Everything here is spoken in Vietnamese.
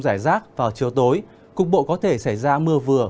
giải rác vào chiều tối cục bộ có thể xảy ra mưa vừa